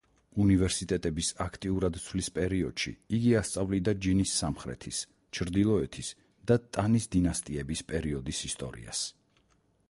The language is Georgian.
უნივერსიტეტების აქტიურად ცვლის პერიოდში იგი ასწავლიდა ჯინის სამხრეთის, ჩრდილოეთის და ტანის დინასტიების პერიოდის ისტორიას.